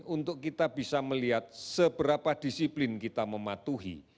untuk kita bisa melihat seberapa disiplin kita mematuhi